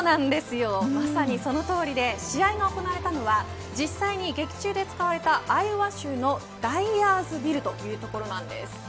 まさにそのとおりで試合が行われたのは実際に劇中で使われたアイオワ州のダイアーズビルという所なんです。